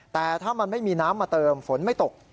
แต่ถ้ามันไม่มีน้ำมาเติมฝนไม่ตก